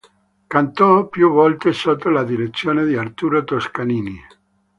Cantò più volte sotto la direzione di Arturo Toscanini.